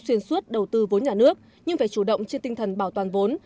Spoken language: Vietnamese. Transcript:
xuyên suốt đầu tư vốn nhà nước nhưng phải chủ động trên tinh thần bảo toàn vốn